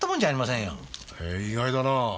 へえ意外だなぁ。